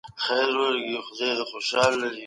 سم نیت باور نه زیانمنوي.